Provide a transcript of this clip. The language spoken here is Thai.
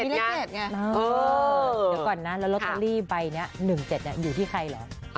เลข๗ไงเดี๋ยวก่อนนะแล้วลอตเตอรี่ใบนี้๑๗อยู่ที่ใครเหรอ